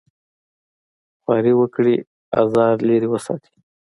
خواري وکړي ازاره لرې وساتي.